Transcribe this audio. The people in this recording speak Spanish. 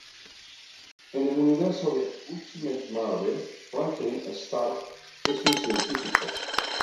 En el universo de Ultimate Marvel, Franklin Storm es un científico.